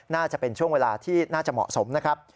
น่าจะเป็นช่วงเวลาที่น่าจะเหมาะสมนะครับ